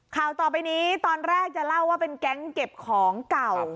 ข่าวต่อไปนี้ตอนแรกจะเล่าว่าเป็นแก๊งเก็บของเก่า